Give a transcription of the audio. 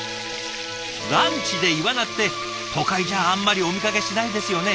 ランチでイワナって都会じゃあんまりお見かけしないですよね。